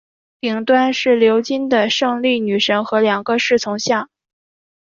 顶端是鎏金的胜利女神和两个侍从像。